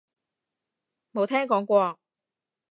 冇聽講過